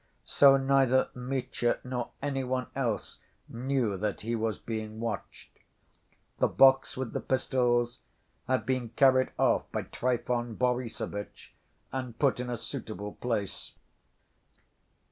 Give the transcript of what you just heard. So neither Mitya nor any one else knew that he was being watched. The box with the pistols had been carried off by Trifon Borissovitch and put in a suitable place.